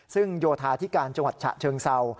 ซึ่งโยธาธิการจังหวัดฉะเชิงเศร้า